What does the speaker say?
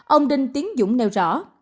ông đinh tiến dũng nêu rõ